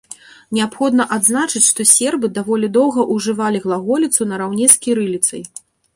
Неабходна адзначыць, што сербы даволі доўга ўжывалі глаголіцу нараўне з кірыліцай.